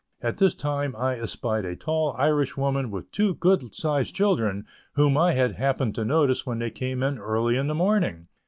At this time I espied a tall Irish woman with two good sized children whom I had happened to notice when they came in early in the morning.